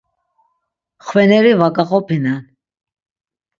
Xveneri va gaqopinen.